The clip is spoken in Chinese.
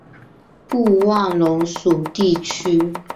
布万龙属地区。